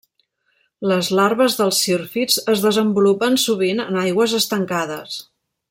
Les larves dels sírfids es desenvolupen sovint en aigües estancades.